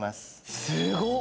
すごっ！